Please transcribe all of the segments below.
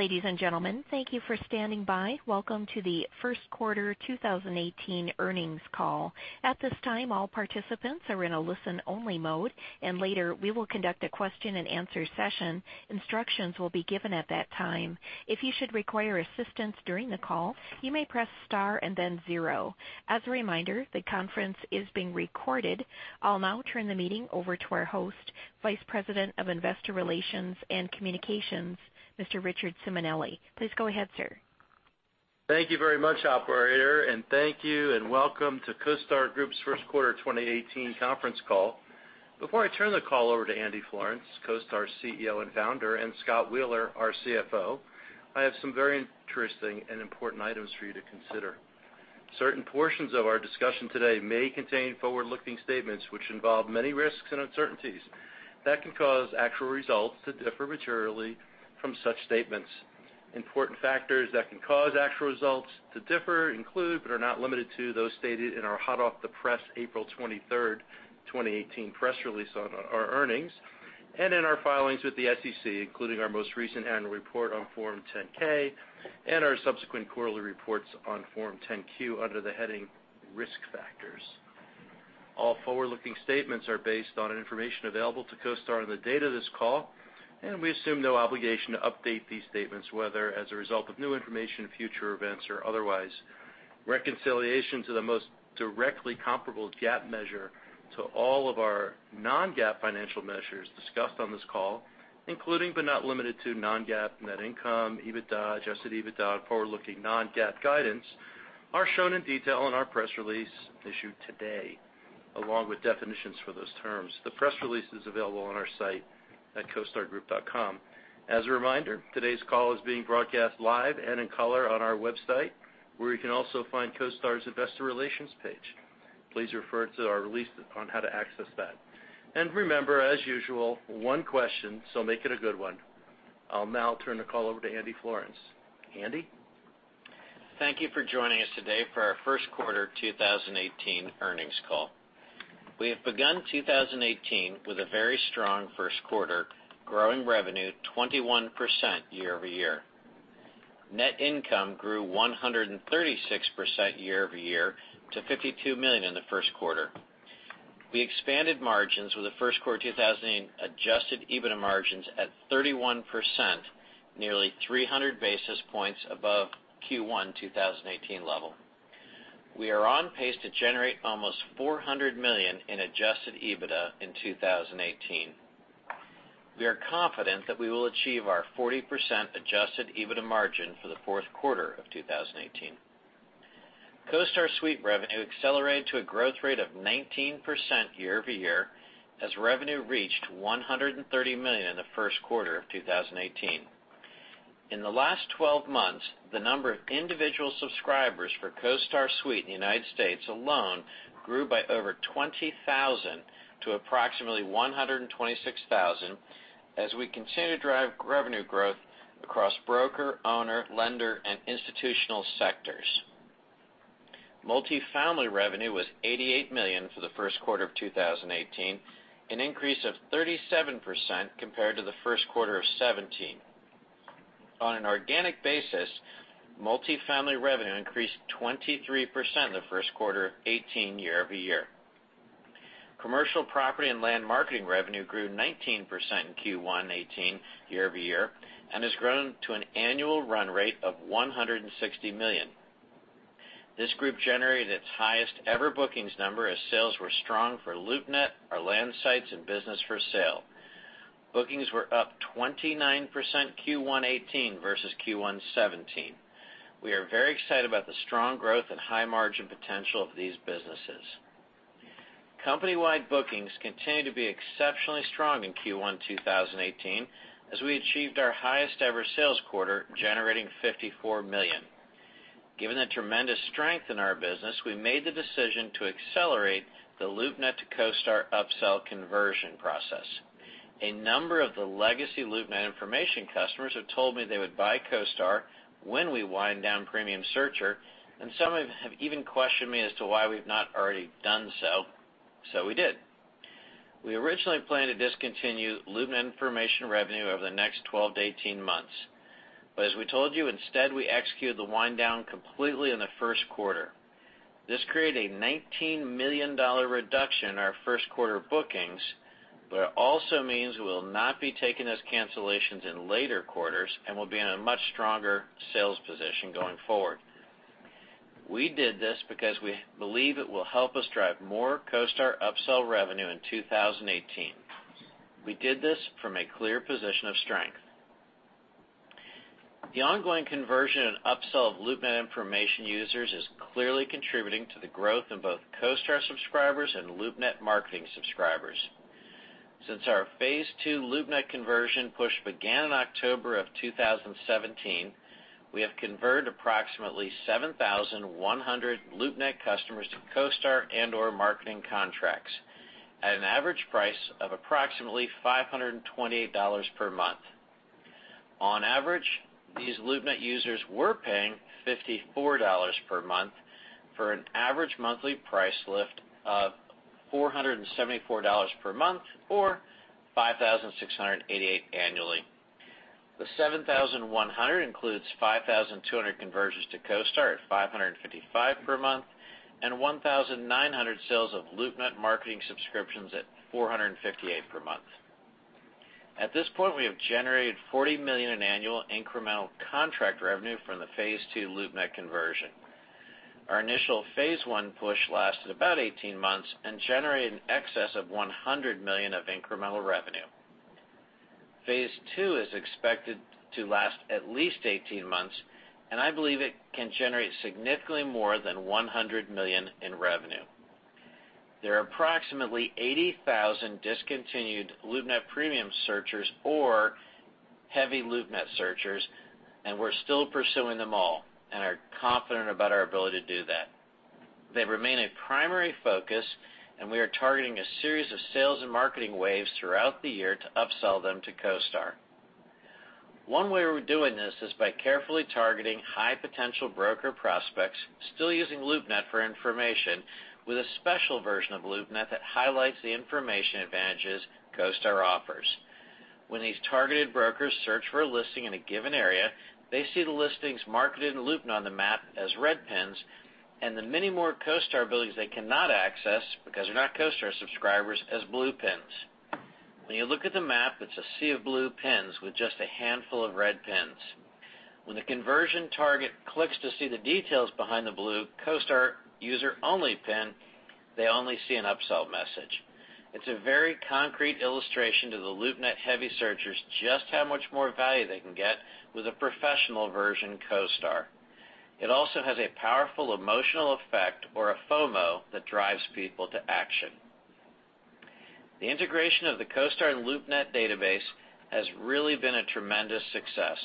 Ladies and gentlemen, thank you for standing by. Welcome to the first quarter 2018 earnings call. At this time, all participants are in a listen-only mode. Later we will conduct a question-and-answer session. Instructions will be given at that time. If you should require assistance during the call, you may press star 0. As a reminder, the conference is being recorded. I'll now turn the meeting over to our host, Vice President of Investor Relations and Communications, Mr. Richard Simonelli. Please go ahead, sir. Thank you very much, operator. Thank you. Welcome to CoStar Group's first quarter 2018 conference call. Before I turn the call over to Andrew Florance, CoStar's CEO and founder, and Scott Wheeler, our CFO, I have some very interesting and important items for you to consider. Certain portions of our discussion today may contain forward-looking statements which involve many risks and uncertainties that can cause actual results to differ materially from such statements. Important factors that can cause actual results to differ include, but are not limited to, those stated in our hot-off-the-press April 23rd, 2018 press release on our earnings and in our filings with the SEC, including our most recent annual report on Form 10-K and our subsequent quarterly reports on Form 10-Q under the heading Risk Factors. All forward-looking statements are based on information available to CoStar on the date of this call. We assume no obligation to update these statements, whether as a result of new information, future events, or otherwise. Reconciliation to the most directly comparable GAAP measure to all of our non-GAAP financial measures discussed on this call, including but not limited to non-GAAP net income, EBITDA, adjusted EBITDA, forward-looking non-GAAP guidance, are shown in detail in our press release issued today, along with definitions for those terms. The press release is available on our site at costargroup.com. As a reminder, today's call is being broadcast live and in color on our website, where you can also find CoStar's investor relations page. Please refer to our release on how to access that. Remember, as usual, one question. Make it a good one. I'll now turn the call over to Andrew Florance. Andy? Thank you for joining us today for our first quarter 2018 earnings call. We have begun 2018 with a very strong first quarter, growing revenue 21% year-over-year. Net income grew 136% year-over-year to $52 million in the first quarter. We expanded margins with the first quarter 2018 adjusted EBITDA margins at 31%, nearly 300 basis points above Q1 2017 level. We are on pace to generate almost $400 million in adjusted EBITDA in 2018. We are confident that we will achieve our 40% adjusted EBITDA margin for the fourth quarter of 2018. CoStar Suite revenue accelerated to a growth rate of 19% year-over-year as revenue reached $130 million in the first quarter of 2018. In the last 12 months, the number of individual subscribers for CoStar Suite in the U.S. alone grew by over 20,000 to approximately 126,000 as we continue to drive revenue growth across broker, owner, lender, and institutional sectors. Multifamily revenue was $88 million for the first quarter of 2018, an increase of 37% compared to the first quarter of 2017. On an organic basis, multifamily revenue increased 23% in the first quarter of 2018 year-over-year. Commercial property and land marketing revenue grew 19% in Q1 2018 year-over-year and has grown to an annual run rate of $160 million. This group generated its highest-ever bookings number as sales were strong for LoopNet, our land sites, and business for sale. Bookings were up 29% Q1 2018 versus Q1 2017. We are very excited about the strong growth and high margin potential of these businesses. Company-wide bookings continue to be exceptionally strong in Q1 2018 as we achieved our highest-ever sales quarter, generating $54 million. Given the tremendous strength in our business, we made the decision to accelerate the LoopNet to CoStar upsell conversion process. A number of the legacy LoopNet information customers have told me they would buy CoStar when we wind down Premium Searcher, and some have even questioned me as to why we've not already done so we did. We originally planned to discontinue LoopNet information revenue over the next 12 to 18 months. Instead, we executed the wind down completely in the first quarter. This created a $19 million reduction in our first quarter bookings, but it also means we will not be taking those cancellations in later quarters and will be in a much stronger sales position going forward. We did this because we believe it will help us drive more CoStar upsell revenue in 2018. We did this from a clear position of strength. The ongoing conversion and upsell of LoopNet information users is clearly contributing to the growth in both CoStar subscribers and LoopNet marketing subscribers. Since our phase 2 LoopNet conversion push began in October of 2017, we have converted approximately 7,100 LoopNet customers to CoStar and/or marketing contracts at an average price of approximately $528 per month. On average, these LoopNet users were paying $54 per month For an average monthly price lift of $474 per month or $5,688 annually. The 7,100 includes 5,200 conversions to CoStar at $555 per month, and 1,900 sales of LoopNet marketing subscriptions at $458 per month. At this point, we have generated $40 million in annual incremental contract revenue from the phase 2 LoopNet conversion. Our initial phase 1 push lasted about 18 months and generated an excess of $100 million of incremental revenue. Phase 2 is expected to last at least 18 months, I believe it can generate significantly more than $100 million in revenue. There are approximately 80,000 discontinued LoopNet premium searchers or heavy LoopNet searchers, we're still pursuing them all and are confident about our ability to do that. They remain a primary focus, we are targeting a series of sales and marketing waves throughout the year to upsell them to CoStar. One way we're doing this is by carefully targeting high potential broker prospects still using LoopNet for information with a special version of LoopNet that highlights the information advantages CoStar offers. When these targeted brokers search for a listing in a given area, they see the listings marketed in LoopNet on the map as red pins, and the many more CoStar abilities they cannot access because they're not CoStar subscribers, as blue pins. When you look at the map, it's a sea of blue pins with just a handful of red pins. When the conversion target clicks to see the details behind the blue CoStar user-only pin, they only see an upsell message. It's a very concrete illustration to the LoopNet-heavy searchers just how much more value they can get with a professional version CoStar. It also has a powerful emotional effect or a FOMO that drives people to action. The integration of the CoStar and LoopNet database has really been a tremendous success.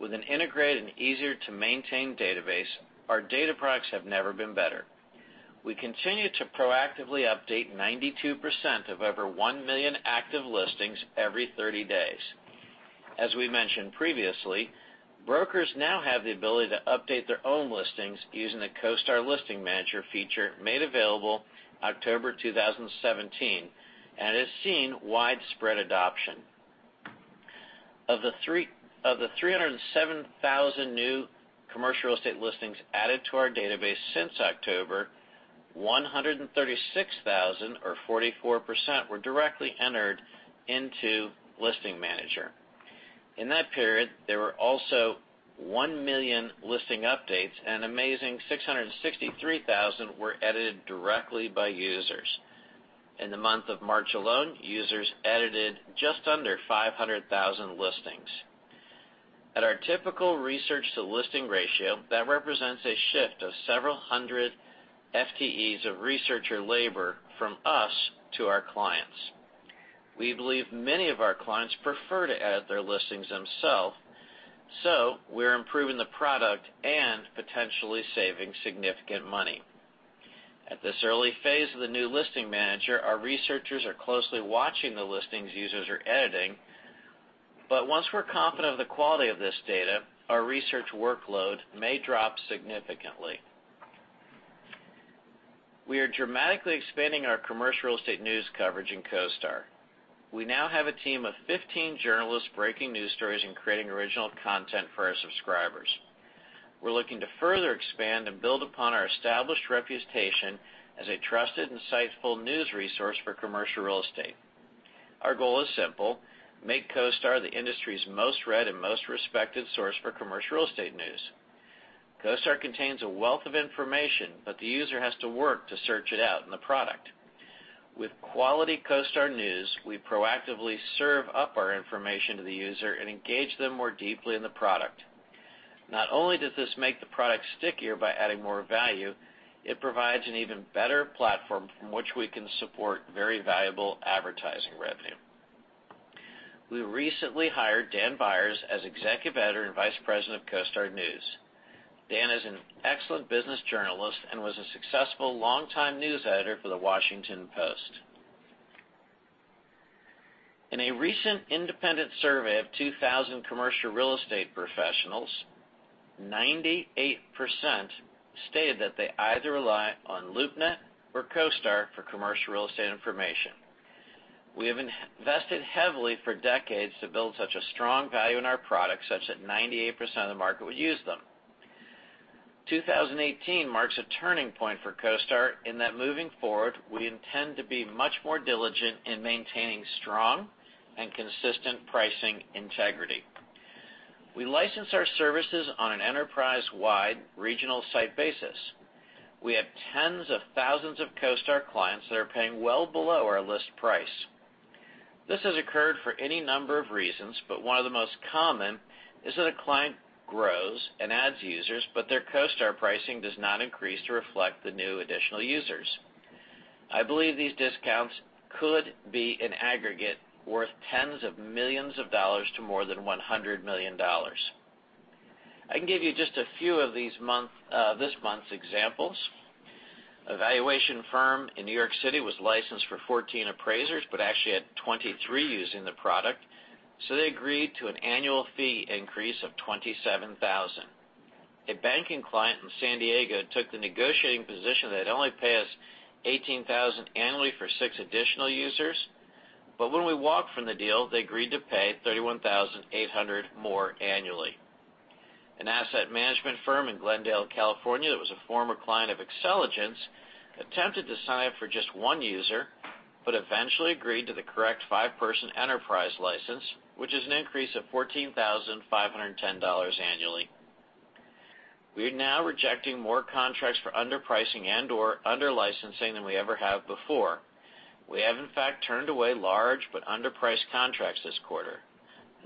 With an integrated and easier-to-maintain database, our data products have never been better. We continue to proactively update 92% of over 1 million active listings every 30 days. As we mentioned previously, brokers now have the ability to update their own listings using the CoStar Listing Manager feature made available October 2017, and has seen widespread adoption. Of the 307,000 new commercial real estate listings added to our database since October, 136,000 or 44% were directly entered into Listing Manager. In that period, there were also 1 million listing updates, an amazing 663,000 were edited directly by users. In the month of March alone, users edited just under 500,000 listings. At our typical research-to-listing ratio, that represents a shift of several hundred FTEs of researcher labor from us to our clients. We believe many of our clients prefer to add their listings themselves, we're improving the product and potentially saving significant money. At this early phase of the new Listing Manager, our researchers are closely watching the listings users are editing, once we're confident of the quality of this data, our research workload may drop significantly. We are dramatically expanding our commercial real estate news coverage in CoStar. We now have a team of 15 journalists breaking news stories and creating original content for our subscribers. We're looking to further expand and build upon our established reputation as a trusted, insightful news resource for commercial real estate. Our goal is simple: Make CoStar the industry's most read and most respected source for commercial real estate news. CoStar contains a wealth of information, but the user has to work to search it out in the product. With quality CoStar News, we proactively serve up our information to the user and engage them more deeply in the product. Not only does this make the product stickier by adding more value, it provides an even better platform from which we can support very valuable advertising revenue. We recently hired Dan Byers as Executive Editor and Vice President of CoStar News. Dan is an excellent business journalist and was a successful long-time news editor for The Washington Post. In a recent independent survey of 2,000 commercial real estate professionals, 98% stated that they either rely on LoopNet or CoStar for commercial real estate information. We have invested heavily for decades to build such a strong value in our products, such that 98% of the market would use them. 2018 marks a turning point for CoStar in that moving forward, we intend to be much more diligent in maintaining strong and consistent pricing integrity. We license our services on an enterprise-wide regional site basis. We have tens of thousands of CoStar clients that are paying well below our list price. This has occurred for any number of reasons, but one of the most common is that a client grows and adds users, but their CoStar pricing does not increase to reflect the new additional users. I believe these discounts could be in aggregate worth tens of millions of dollars to more than $100 million. I can give you just a few of this month's examples. A valuation firm in New York City was licensed for 14 appraisers, but actually had 23 using the product, so they agreed to an annual fee increase of $27,000. When we walked from the deal, they agreed to pay $31,800 more annually. An asset management firm in Glendale, California, that was a former client of Xceligent's attempted to sign up for just one user, but eventually agreed to the correct five-person enterprise license, which is an increase of $14,510 annually. We are now rejecting more contracts for underpricing and/or under-licensing than we ever have before. We have, in fact, turned away large but underpriced contracts this quarter.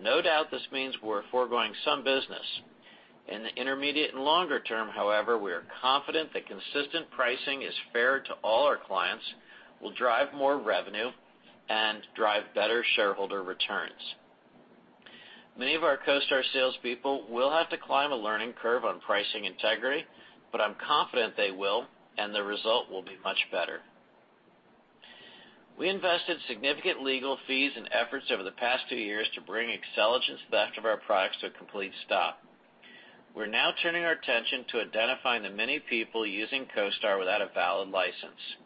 No doubt this means we're foregoing some business. In the intermediate and longer term, however, we are confident that consistent pricing is fair to all our clients, will drive more revenue, and drive better shareholder returns. Many of our CoStar salespeople will have to climb a learning curve on pricing integrity, but I'm confident they will, and the result will be much better. We invested significant legal fees and efforts over the past two years to bring Xceligent's theft of our products to a complete stop. We're now turning our attention to identifying the many people using CoStar without a valid license.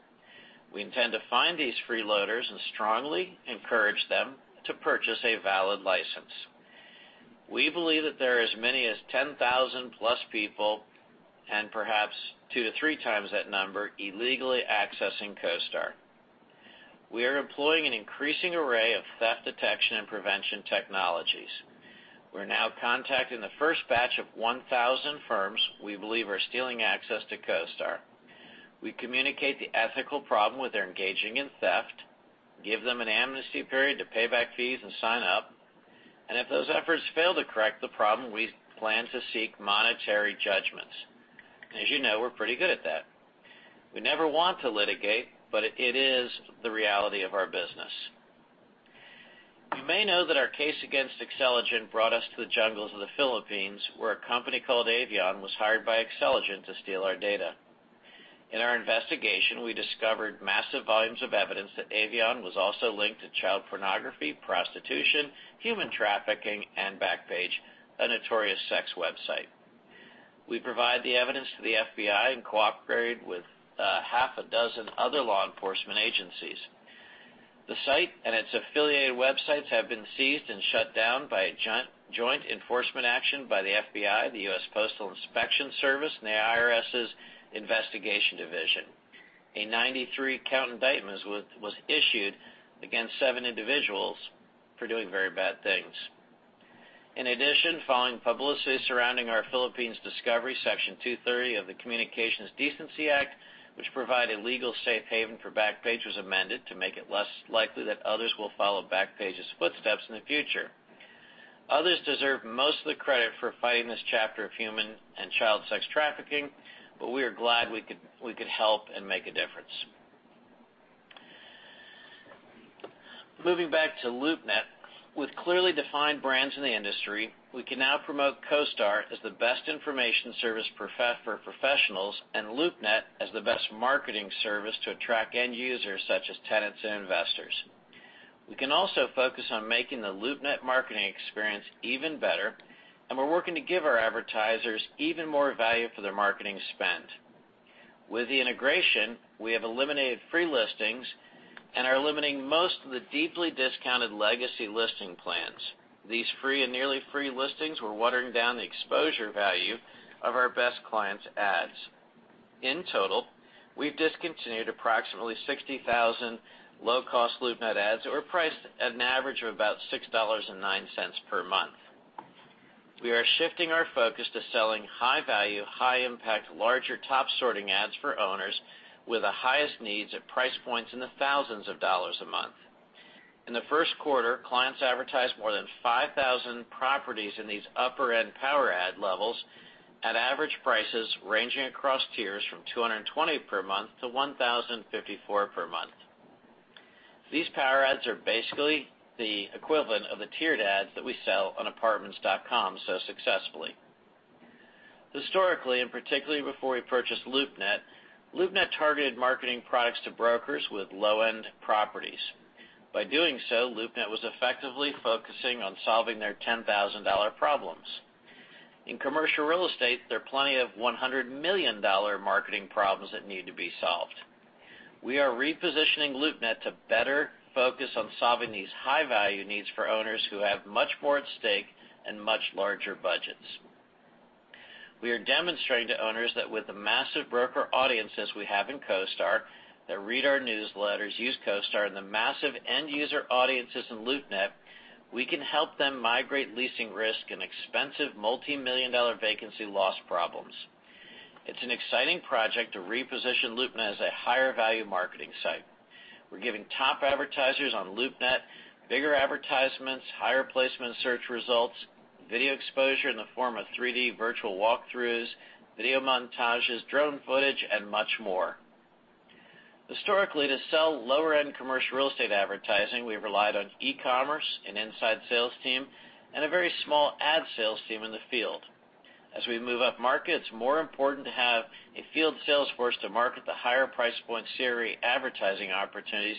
We intend to find these freeloaders and strongly encourage them to purchase a valid license. We believe that there are as many as 10,000+ people, and perhaps two to three times that number, illegally accessing CoStar. We are employing an increasing array of theft detection and prevention technologies. We're now contacting the first batch of 1,000 firms we believe are stealing access to CoStar. We communicate the ethical problem with their engaging in theft, give them an amnesty period to pay back fees and sign up, and if those efforts fail to correct the problem, we plan to seek monetary judgments. As you know, we're pretty good at that. We never want to litigate, but it is the reality of our business. You may know that our case against Xceligent brought us to the jungles of the Philippines, where a company called Avion was hired by Xceligent to steal our data. In our investigation, we discovered massive volumes of evidence that Avion was also linked to child pornography, prostitution, human trafficking, and Backpage, a notorious sex website. We provided the evidence to the FBI and cooperated with a half a dozen other law enforcement agencies. The site and its affiliated websites have been seized and shut down by a joint enforcement action by the FBI, the U.S. Postal Inspection Service, and the IRS's Investigation Division. A 93-count indictment was issued against seven individuals for doing very bad things. Following publicity surrounding our Philippines discovery, Section 230 of the Communications Decency Act, which provided legal safe haven for Backpage, was amended to make it less likely that others will follow Backpage's footsteps in the future. Others deserve most of the credit for fighting this chapter of human and child sex trafficking, but we are glad we could help and make a difference. Moving back to LoopNet. With clearly defined brands in the industry, we can now promote CoStar as the best information service for professionals and LoopNet as the best marketing service to attract end users such as tenants and investors. We can also focus on making the LoopNet marketing experience even better, we're working to give our advertisers even more value for their marketing spend. With the integration, we have eliminated free listings and are eliminating most of the deeply discounted legacy listing plans. These free and nearly free listings were watering down the exposure value of our best clients' ads. In total, we've discontinued approximately 60,000 low-cost LoopNet ads that were priced at an average of about $6.09 per month. We are shifting our focus to selling high-value, high-impact, larger top-sorting ads for owners with the highest needs at price points in the thousands of dollars a month. In the first quarter, clients advertised more than 5,000 properties in these upper-end power ad levels at average prices ranging across tiers from $220 per month to $1,054 per month. These power ads are basically the equivalent of the tiered ads that we sell on Apartments.com so successfully. Historically, particularly before we purchased LoopNet targeted marketing products to brokers with low-end properties. By doing so, LoopNet was effectively focusing on solving their $10,000 problems. In commercial real estate, there are plenty of $100 million marketing problems that need to be solved. We are repositioning LoopNet to better focus on solving these high-value needs for owners who have much more at stake and much larger budgets. We are demonstrating to owners that with the massive broker audiences we have in CoStar that read our newsletters, use CoStar, and the massive end-user audiences in LoopNet, we can help them migrate leasing risk and expensive multi-million dollar vacancy loss problems. It's an exciting project to reposition LoopNet as a higher-value marketing site. We're giving top advertisers on LoopNet bigger advertisements, higher placement search results, video exposure in the form of 3D virtual walkthroughs, video montages, drone footage, and much more. Historically, to sell lower-end commercial real estate advertising, we've relied on e-commerce, an inside sales team, and a very small ad sales team in the field. As we move upmarket, it's more important to have a field sales force to market the higher price point CRE advertising opportunities,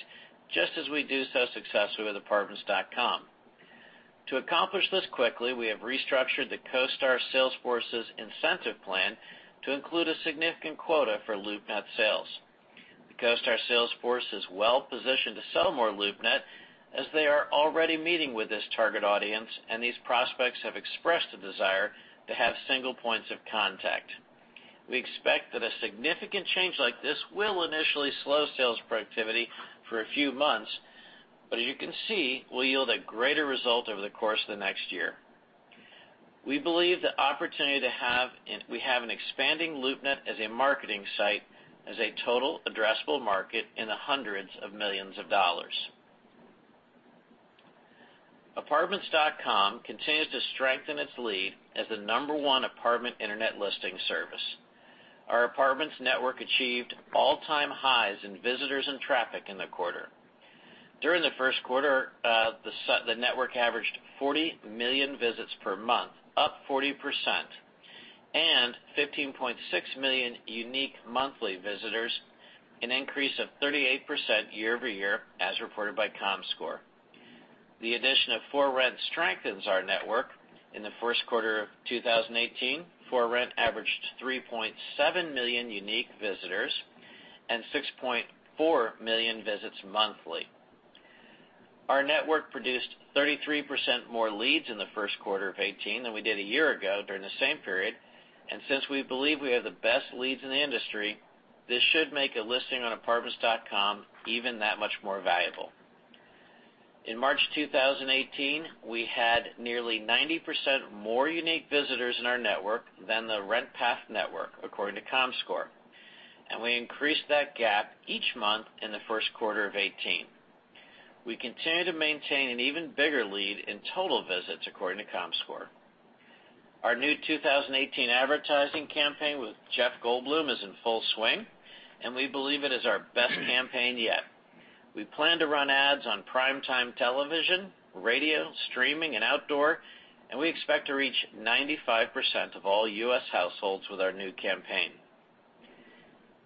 just as we do so successfully with apartments.com. To accomplish this quickly, we have restructured the CoStar sales force's incentive plan to include a significant quota for LoopNet sales. The CoStar sales force is well-positioned to sell more LoopNet, as they are already meeting with this target audience, these prospects have expressed a desire to have single points of contact. We expect that a significant change like this will initially slow sales productivity for a few months, as you can see, will yield a greater result over the course of the next year. We believe the opportunity we have in expanding LoopNet as a marketing site is a total addressable market in the hundreds of millions of dollars. Apartments.com continues to strengthen its lead as the number one apartment internet listing service. Our apartments network achieved all-time highs in visitors and traffic in the quarter. During the first quarter, the network averaged 40 million visits per month, up 40%, and 15.6 million unique monthly visitors, an increase of 38% year-over-year as reported by Comscore. The addition of ForRent strengthens our network. In the first quarter of 2018, ForRent averaged 3.7 million unique visitors and 6.4 million visits monthly. Our network produced 33% more leads in the first quarter of 2018 than we did a year ago during the same period. Since we believe we have the best leads in the industry, this should make a listing on apartments.com even that much more valuable. In March 2018, we had nearly 90% more unique visitors in our network than the RentPath network, according to Comscore. We increased that gap each month in the first quarter of 2018. We continue to maintain an even bigger lead in total visits, according to Comscore. Our new 2018 advertising campaign with Jeff Goldblum is in full swing, and we believe it is our best campaign yet. We plan to run ads on prime-time television, radio, streaming, and outdoor, and we expect to reach 95% of all U.S. households with our new campaign.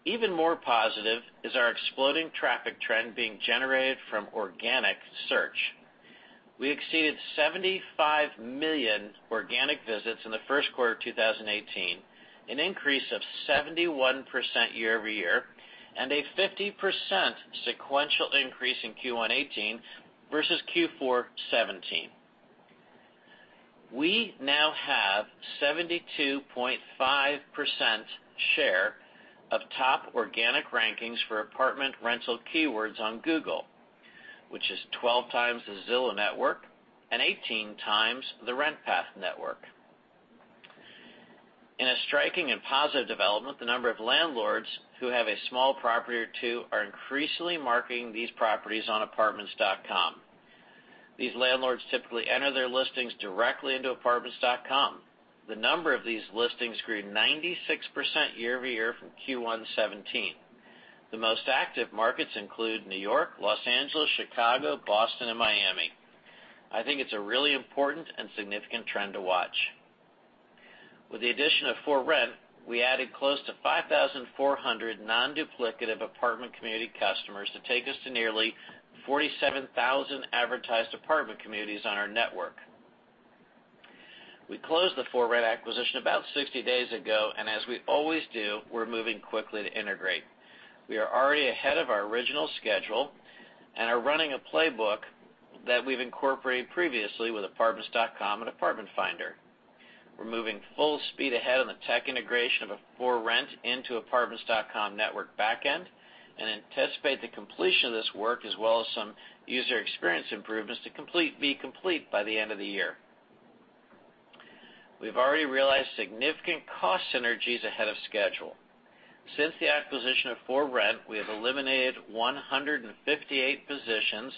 Even more positive is our exploding traffic trend being generated from organic search. We exceeded 75 million organic visits in the first quarter of 2018, an increase of 71% year-over-year, and a 50% sequential increase in Q1 2018 versus Q4 2017. We now have 72.5% share of top organic rankings for apartment rental keywords on Google, which is 12 times the Zillow network and 18 times the RentPath network. In a striking and positive development, the number of landlords who have a small property or two are increasingly marketing these properties on apartments.com. These landlords typically enter their listings directly into apartments.com. The number of these listings grew 96% year-over-year from Q1 2017. The most active markets include New York, Los Angeles, Chicago, Boston, and Miami. I think it's a really important and significant trend to watch. With the addition of ForRent, we added close to 5,400 non-duplicative apartment community customers to take us to nearly 47,000 advertised apartment communities on our network. We closed the ForRent acquisition about 60 days ago, and as we always do, we're moving quickly to integrate. We are already ahead of our original schedule and are running a playbook that we've incorporated previously with apartments.com and Apartment Finder. We're moving full speed ahead on the tech integration of ForRent into apartments.com network backend and anticipate the completion of this work, as well as some user experience improvements to be complete by the end of the year. We've already realized significant cost synergies ahead of schedule. Since the acquisition of ForRent, we have eliminated 158 positions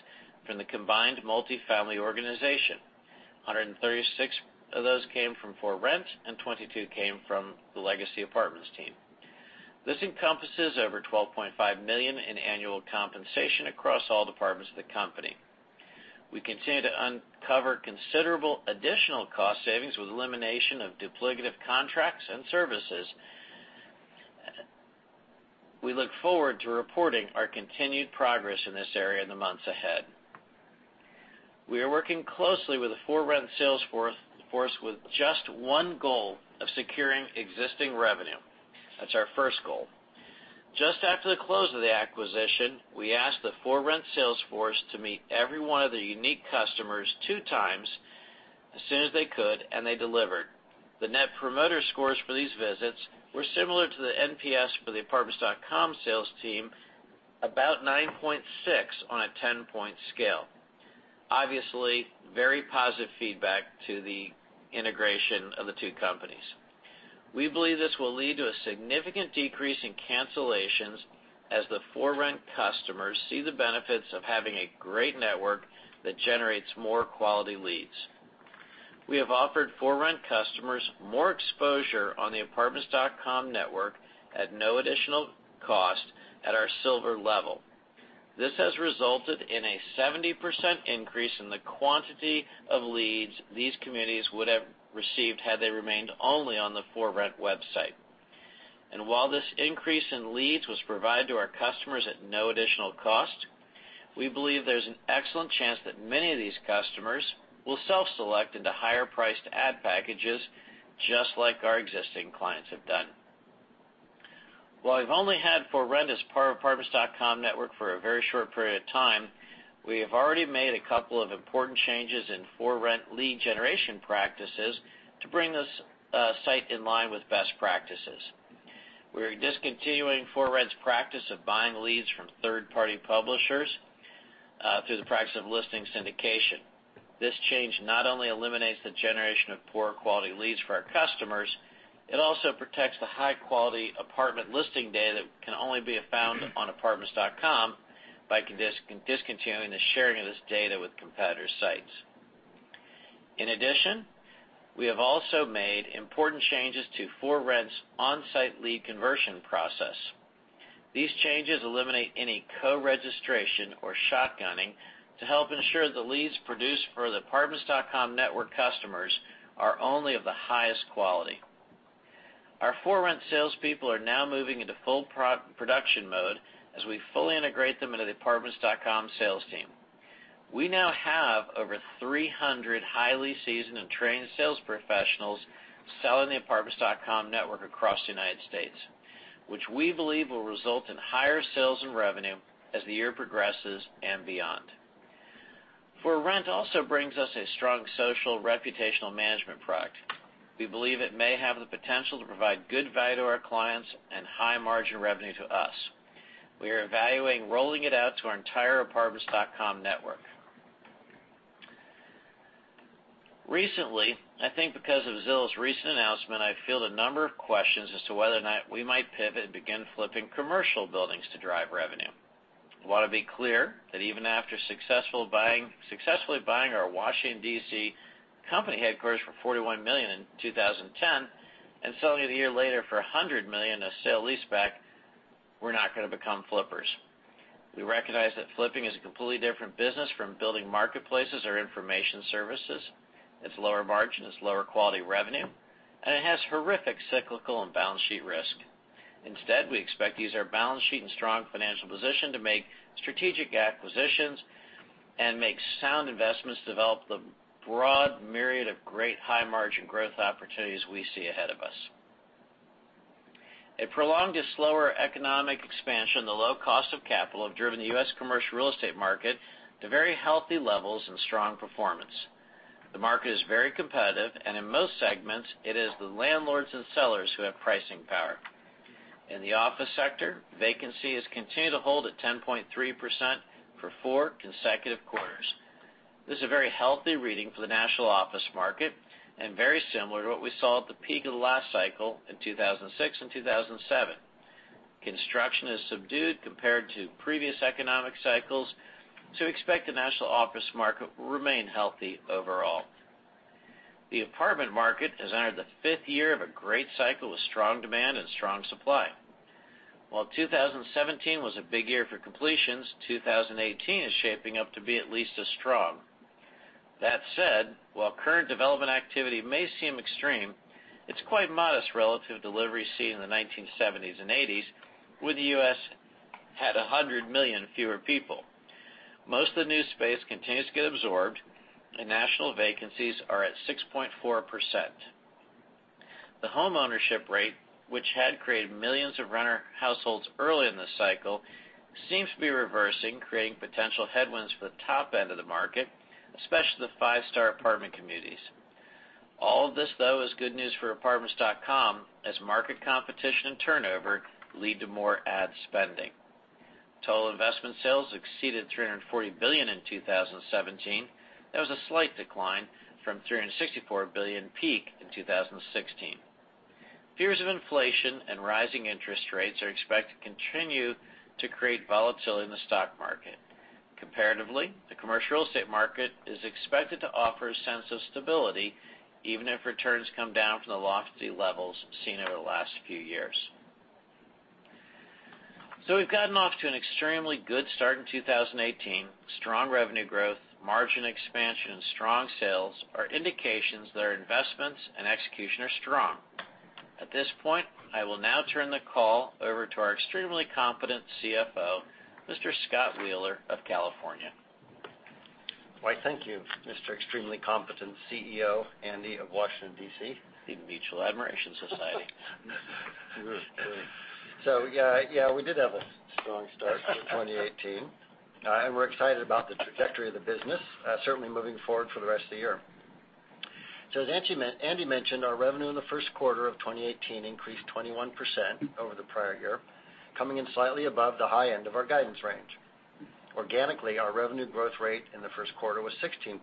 from the combined multifamily organization. 136 of those came from ForRent, and 22 came from the legacy apartments team. This encompasses over $12.5 million in annual compensation across all departments of the company. We continue to uncover considerable additional cost savings with elimination of duplicative contracts and services. We look forward to reporting our continued progress in this area in the months ahead. We are working closely with the ForRent sales force with just one goal of securing existing revenue. That's our first goal. Just after the close of the acquisition, we asked the ForRent sales force to meet every one of the unique customers two times as soon as they could, and they delivered. The net promoter scores for these visits were similar to the NPS for the apartments.com sales team, about 9.6 on a 10-point scale. Obviously, very positive feedback to the integration of the two companies. We believe this will lead to a significant decrease in cancellations as the ForRent customers see the benefits of having a great network that generates more quality leads. We have offered ForRent customers more exposure on the Apartments.com network at no additional cost at our silver level. This has resulted in a 70% increase in the quantity of leads these communities would have received had they remained only on the ForRent website. While this increase in leads was provided to our customers at no additional cost, we believe there's an excellent chance that many of these customers will self-select into higher-priced ad packages, just like our existing clients have done. While we've only had ForRent as part of Apartments.com network for a very short period of time, we have already made a couple of important changes in ForRent lead generation practices to bring this site in line with best practices. We're discontinuing ForRent's practice of buying leads from third-party publishers through the practice of listing syndication. This change not only eliminates the generation of poor-quality leads for our customers, it also protects the high-quality apartment listing data that can only be found on apartments.com by discontinuing the sharing of this data with competitors' sites. We have also made important changes to ForRent's on-site lead conversion process. These changes eliminate any co-registration or shotgunning to help ensure the leads produced for the Apartments.com network customers are only of the highest quality. Our ForRent salespeople are now moving into full production mode as we fully integrate them into the Apartments.com sales team. We now have over 300 highly seasoned and trained sales professionals selling the Apartments.com network across the U.S., which we believe will result in higher sales and revenue as the year progresses and beyond. ForRent also brings us a strong social reputational management product. We believe it may have the potential to provide good value to our clients and high-margin revenue to us. We are evaluating rolling it out to our entire Apartments.com network. I think because of Zillow's recent announcement, I've fielded a number of questions as to whether or not we might pivot and begin flipping commercial buildings to drive revenue. I want to be clear that even after successfully buying our Washington, D.C. company headquarters for $41 million in 2010 and selling it a year later for $100 million in a sale leaseback, we're not going to become flippers. We recognize that flipping is a completely different business from building marketplaces or information services. It's lower margin, it's lower-quality revenue, and it has horrific cyclical and balance sheet risk. We expect to use our balance sheet and strong financial position to make strategic acquisitions and make sound investments to develop the broad myriad of great high-margin growth opportunities we see ahead of us. A prolonged and slower economic expansion, the low cost of capital have driven the U.S. commercial real estate market to very healthy levels and strong performance. The market is very competitive, and in most segments, it is the landlords and sellers who have pricing power. In the office sector, vacancy has continued to hold at 10.3% for four consecutive quarters. This is a very healthy reading for the national office market and very similar to what we saw at the peak of the last cycle in 2006 and 2007. Construction is subdued compared to previous economic cycles, so we expect the national office market will remain healthy overall. The apartment market has entered the fifth year of a great cycle of strong demand and strong supply. While 2017 was a big year for completions, 2018 is shaping up to be at least as strong. That said, while current development activity may seem extreme, it's quite modest relative to deliveries seen in the 1970s and '80s, when the U.S. had 100 million fewer people. Most of the new space continues to get absorbed, and national vacancies are at 6.4%. The homeownership rate, which had created millions of renter households early in this cycle, seems to be reversing, creating potential headwinds for the top end of the market, especially the five-star apartment communities. All of this, though, is good news for Apartments.com as market competition and turnover lead to more ad spending. Total investment sales exceeded $340 billion in 2017. That was a slight decline from the $364 billion peak in 2016. Fears of inflation and rising interest rates are expected to continue to create volatility in the stock market. Comparatively, the commercial real estate market is expected to offer a sense of stability, even if returns come down from the lofty levels seen over the last few years. We've gotten off to an extremely good start in 2018. Strong revenue growth, margin expansion, and strong sales are indications that our investments and execution are strong. At this point, I will now turn the call over to our extremely competent CFO, Mr. Scott Wheeler of California. Why thank you, Mr. Extremely Competent CEO, Andy of Washington, D.C. The mutual admiration society. Yeah, we did have a strong start to 2018. And we're excited about the trajectory of the business, certainly moving forward for the rest of the year. As Andy mentioned, our revenue in the first quarter of 2018 increased 21% over the prior year, coming in slightly above the high end of our guidance range. Organically, our revenue growth rate in the first quarter was 16%,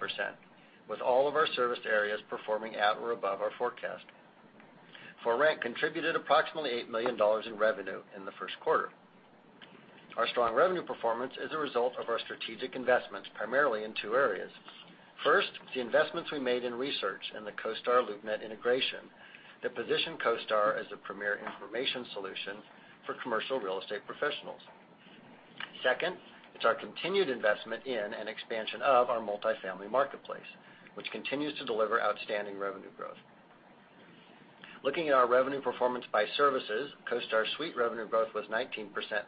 with all of our service areas performing at or above our forecast. ForRent.com contributed approximately $8 million in revenue in the first quarter. Our strong revenue performance is a result of our strategic investments, primarily in two areas. First, the investments we made in research and the CoStar LoopNet integration that position CoStar as a premier information solution for commercial real estate professionals. Second, it is our continued investment in and expansion of our multifamily marketplace, which continues to deliver outstanding revenue growth. Looking at our revenue performance by services, CoStar Suite revenue growth was 19%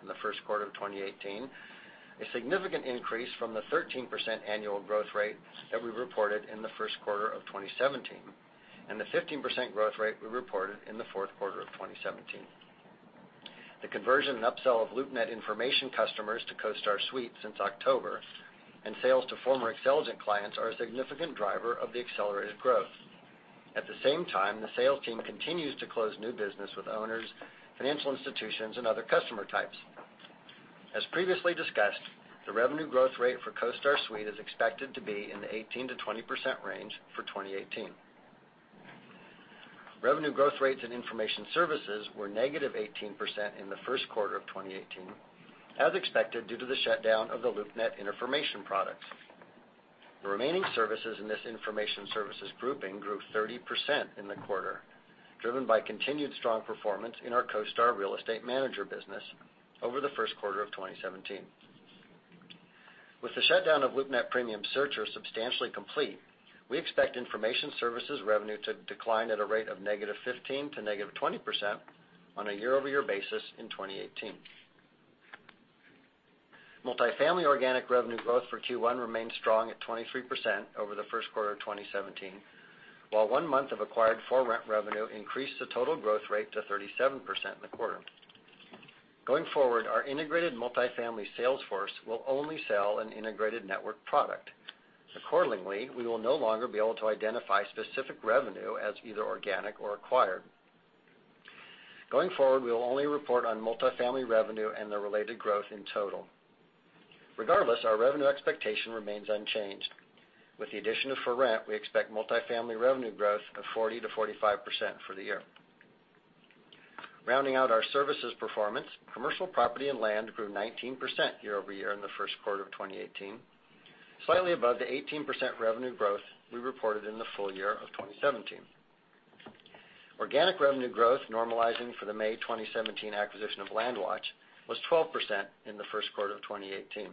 in the first quarter of 2018, a significant increase from the 13% annual growth rate that we reported in the first quarter of 2017, and the 15% growth rate we reported in the fourth quarter of 2017. The conversion and upsell of LoopNet information customers to CoStar Suite since October, and sales to former Xceligent clients are a significant driver of the accelerated growth. At the same time, the sales team continues to close new business with owners, financial institutions, and other customer types. As previously discussed, the revenue growth rate for CoStar Suite is expected to be in the 18%-20% range for 2018. Revenue growth rates and information services were -18% in the first quarter of 2018, as expected due to the shutdown of the LoopNet information products. The remaining services in this information services grouping grew 30% in the quarter, driven by continued strong performance in our CoStar Real Estate Manager business over the first quarter of 2017. With the shutdown of LoopNet Premium Searcher substantially complete, we expect information services revenue to decline at a rate of -15% to -20% on a year-over-year basis in 2018. Multifamily organic revenue growth for Q1 remained strong at 23% over the first quarter of 2017, while one month of acquired ForRent revenue increased the total growth rate to 37% in the quarter. Going forward, our integrated multifamily sales force will only sell an integrated network product. Accordingly, we will no longer be able to identify specific revenue as either organic or acquired. Going forward, we will only report on multifamily revenue and the related growth in total. Regardless, our revenue expectation remains unchanged. With the addition of ForRent.com, we expect multifamily revenue growth of 40%-45% for the year. Rounding out our services performance, commercial property and land grew 19% year-over-year in the first quarter of 2018, slightly above the 18% revenue growth we reported in the full year of 2017. Organic revenue growth normalizing for the May 2017 acquisition of LandWatch was 12% in the first quarter of 2018.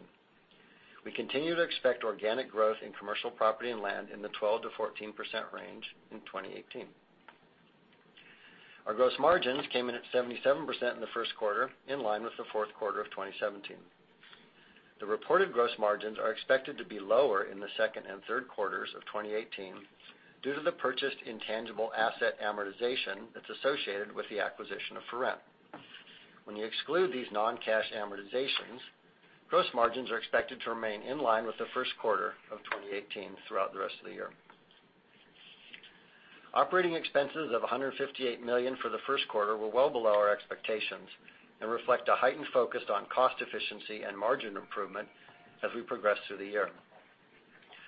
We continue to expect organic growth in commercial property and land in the 12%-14% range in 2018. Our gross margins came in at 77% in the first quarter, in line with the fourth quarter of 2017. The reported gross margins are expected to be lower in the second and third quarters of 2018 due to the purchased intangible asset amortization that is associated with the acquisition of ForRent.com. When you exclude these non-cash amortizations, gross margins are expected to remain in line with the first quarter of 2018 throughout the rest of the year. Operating expenses of $158 million for the first quarter were well below our expectations and reflect a heightened focus on cost efficiency and margin improvement as we progress through the year.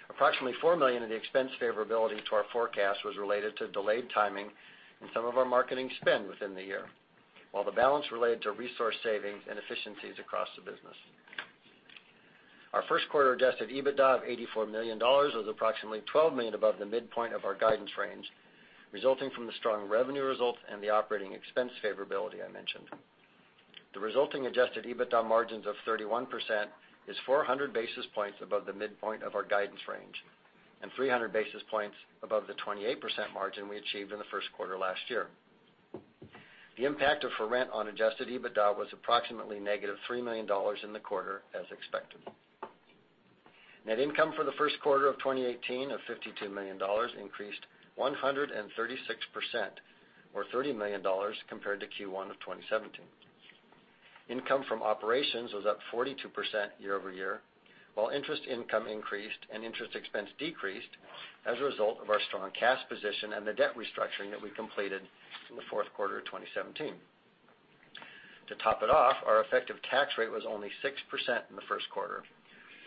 Approximately $4 million in the expense favorability to our forecast was related to delayed timing in some of our marketing spend within the year, while the balance related to resource savings and efficiencies across the business. Our first quarter adjusted EBITDA of $84 million was approximately $12 million above the midpoint of our guidance range, resulting from the strong revenue results and the operating expense favorability I mentioned. The resulting adjusted EBITDA margins of 31% is 400 basis points above the midpoint of our guidance range, and 300 basis points above the 28% margin we achieved in the first quarter last year. The impact of ForRent.com on adjusted EBITDA was approximately negative $3 million in the quarter as expected. Net income for the first quarter of 2018 of $52 million increased 136%, or $30 million, compared to Q1 of 2017. Income from operations was up 42% year-over-year, while interest income increased and interest expense decreased as a result of our strong cash position and the debt restructuring that we completed in the fourth quarter of 2017. To top it off, our effective tax rate was only 6% in the first quarter,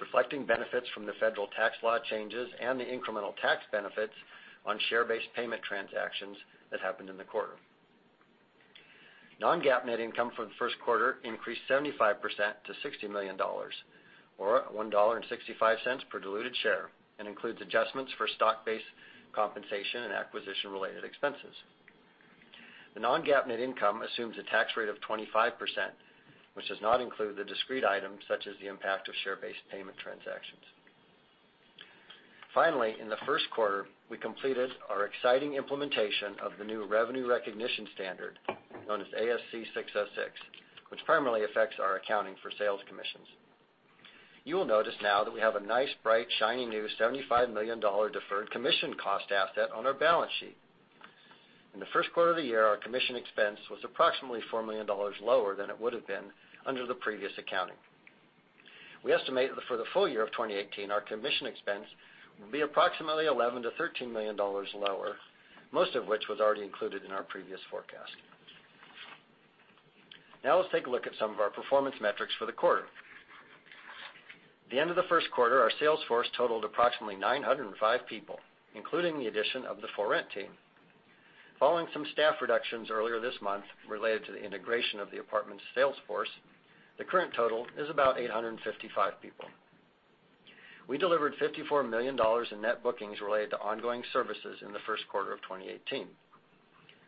reflecting benefits from the federal tax law changes and the incremental tax benefits on share-based payment transactions that happened in the quarter. Non-GAAP net income for the first quarter increased 75% to $60 million, or $1.65 per diluted share, and includes adjustments for stock-based compensation and acquisition-related expenses. The non-GAAP net income assumes a tax rate of 25%, which does not include the discrete items such as the impact of share-based payment transactions. Finally, in the first quarter, we completed our exciting implementation of the new revenue recognition standard, known as ASC 606, which primarily affects our accounting for sales commissions. You will notice now that we have a nice, bright, shiny, new $75 million deferred commission cost asset on our balance sheet. In the first quarter of the year, our commission expense was approximately $4 million lower than it would have been under the previous accounting. We estimate that for the full year of 2018, our commission expense will be approximately $11 million to $13 million lower, most of which was already included in our previous forecast. Let's take a look at some of our performance metrics for the quarter. At the end of the first quarter, our sales force totaled approximately 905 people, including the addition of the ForRent.com team. Following some staff reductions earlier this month related to the integration of the apartment sales force, the current total is about 855 people. We delivered $54 million in net bookings related to ongoing services in the first quarter of 2018.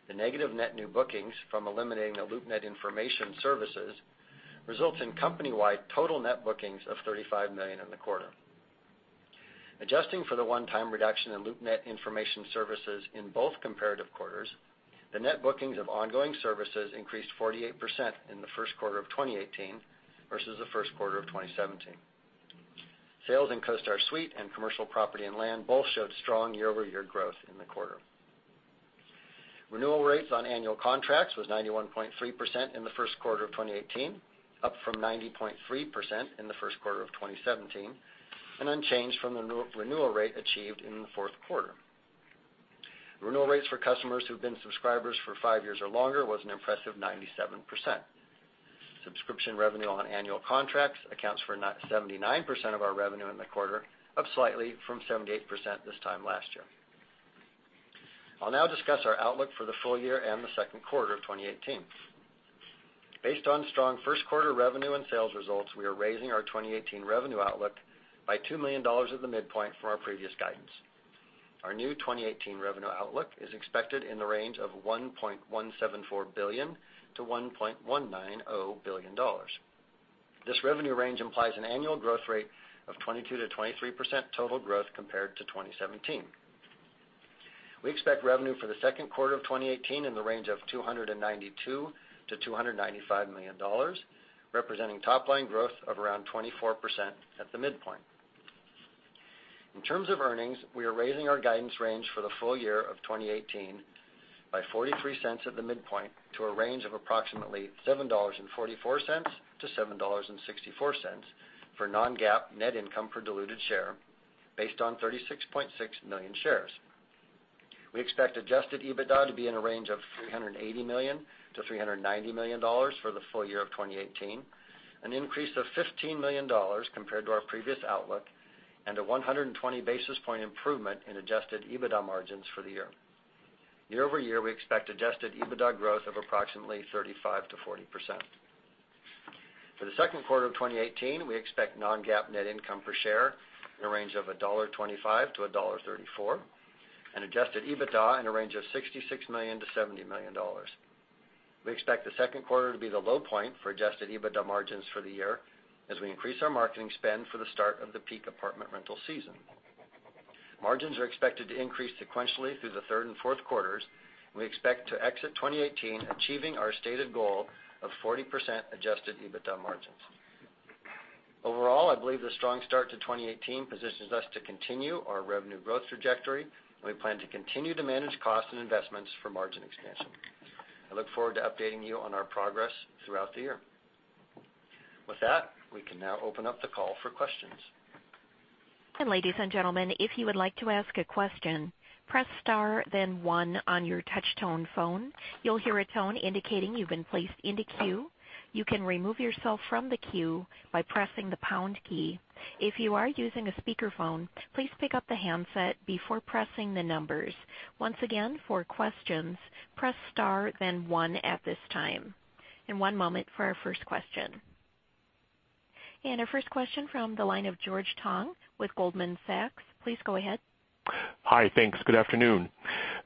The negative net new bookings from eliminating the LoopNet information services results in company-wide total net bookings of $35 million in the quarter. Adjusting for the one-time reduction in LoopNet information services in both comparative quarters, the net bookings of ongoing services increased 48% in the first quarter of 2018 versus the first quarter of 2017. Sales in CoStar Suite and Commercial Property and Land both showed strong year-over-year growth in the quarter. Renewal rates on annual contracts was 91.3% in the first quarter of 2018, up from 90.3% in the first quarter of 2017, and unchanged from the renewal rate achieved in the fourth quarter. Renewal rates for customers who've been subscribers for five years or longer was an impressive 97%. Subscription revenue on annual contracts accounts for 79% of our revenue in the quarter, up slightly from 78% this time last year. I'll now discuss our outlook for the full year and the second quarter of 2018. Based on strong first quarter revenue and sales results, we are raising our 2018 revenue outlook by $2 million at the midpoint from our previous guidance. Our new 2018 revenue outlook is expected in the range of $1.174 billion-$1.190 billion. This revenue range implies an annual growth rate of 22%-23% total growth compared to 2017. We expect revenue for the second quarter of 2018 in the range of $292 million-$295 million, representing top-line growth of around 24% at the midpoint. In terms of earnings, we are raising our guidance range for the full year of 2018 by $0.43 at the midpoint to a range of approximately $7.44-$7.64 for non-GAAP net income per diluted share based on 36.6 million shares. We expect adjusted EBITDA to be in a range of $380 million-$390 million for the full year of 2018, an increase of $15 million compared to our previous outlook, and a 120 basis point improvement in adjusted EBITDA margins for the year. Year-over-year, we expect adjusted EBITDA growth of approximately 35%-40%. For the second quarter of 2018, we expect non-GAAP net income per share in a range of $1.25-$1.34, and adjusted EBITDA in a range of $66 million-$70 million. We expect the second quarter to be the low point for adjusted EBITDA margins for the year as we increase our marketing spend for the start of the peak apartment rental season. Margins are expected to increase sequentially through the third and fourth quarters, and we expect to exit 2018 achieving our stated goal of 40% adjusted EBITDA margins. Overall, I believe the strong start to 2018 positions us to continue our revenue growth trajectory, we plan to continue to manage costs and investments for margin expansion. I look forward to updating you on our progress throughout the year. With that, we can now open up the call for questions. Ladies and gentlemen, if you would like to ask a question, press star then one on your touch tone phone. You'll hear a tone indicating you've been placed in the queue. You can remove yourself from the queue by pressing the pound key. If you are using a speakerphone, please pick up the handset before pressing the numbers. Once again, for questions, press star then one at this time. One moment for our first question. Our first question from the line of George Tong with Goldman Sachs. Please go ahead. Hi. Thanks. Good afternoon.